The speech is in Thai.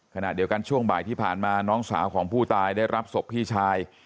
ขณะเดียวกันช่วงบ่ายที่ผ่านมาน้องสาวของผู้ตายได้รับศพพี่ชาย